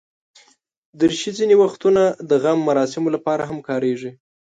دریشي ځینې وختونه د غم مراسمو لپاره هم کارېږي.